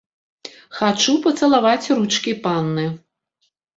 Хачу пацалаваць ручкі панны.